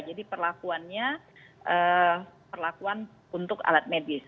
jadi perlakuannya perlakuan untuk alat medis